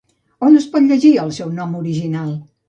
On es pot llegir el seu nom original?